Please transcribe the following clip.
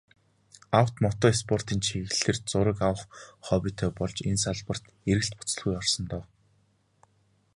Авто, мото спортын чиглэлээр зураг авах хоббитой болж, энэ салбарт эргэлт буцалтгүй орсон доо.